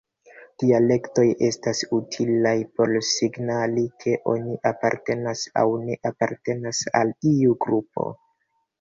Dialektoj estas utilaj por signali ke oni apartenas aŭ ne apartenas al iu grupo.